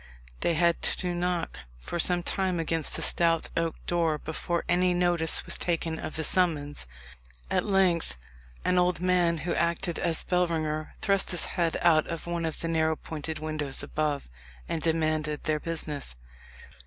They had to knock for some time against the stout oak door before any notice was taken of the summons. At length an old man, who acted as bellringer, thrust his head out of one of the narrow pointed windows above, and demanded their business.